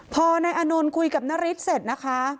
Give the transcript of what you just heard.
พอนายอานนท์คุยกับนฤทธิ์เสร็จนะคะ